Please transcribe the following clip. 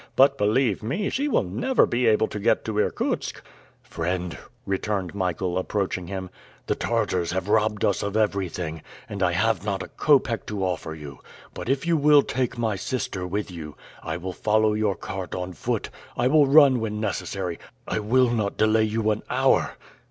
But, believe me, she will never be able to get to Irkutsk!" "Friend," returned Michael, approaching him, "the Tartars have robbed us of everything, and I have not a copeck to offer you; but if you will take my sister with you, I will follow your cart on foot; I will run when necessary, I will not delay you an hour!"